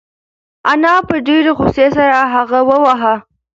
انا په ډېرې غوسې سره هغه وواهه.